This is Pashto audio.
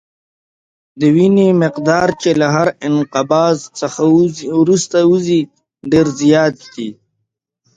د وینې مقدار چې له هر انقباض څخه وروسته وځي ډېر زیات دی.